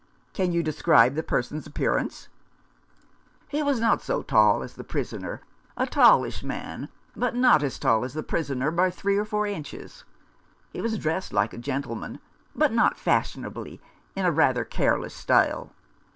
" Can you describe the person's appearance ?" "He was not so tall as the prisoner — a tallish man, but not as tall as the prisoner by three or four inches. He was dressed like a gentleman, but not fashionably, in a rather careless style.